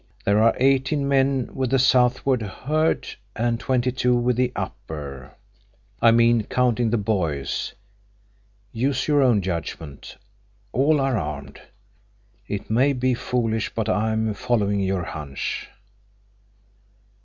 There are eighteen men with the southward herd, and twenty two with the upper. I mean, counting the boys. Use your own judgment. All are armed. It may be foolish, but I'm following your hunch."